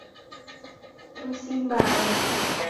Em xin bà ấy